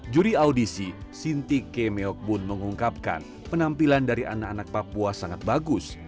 juri audisi sinti kemeokbun mengungkapkan penampilan dari anak anak papua sangat bagus